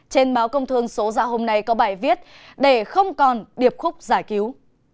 trên báo công thương số ra hôm nay có bài viết để không còn điệp khúc giải cứu